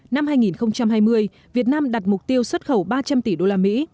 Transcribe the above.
năm hai nghìn hai mươi việt nam đặt mục tiêu xuất khẩu ba trăm linh tỷ đô la mỹ